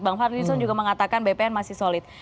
bang fadlizon juga mengatakan bpn masih solid